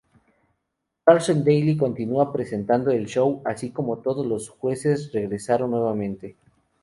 Carson Daly continúa presentando el show, así como todos los jueces regresaron nuevamente.